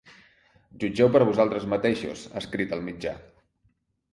Jutgeu per vosaltres mateixos, ha escrit el mitjà.